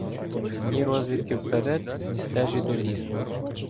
Ні розвідки вперед, ні стежі до лісу.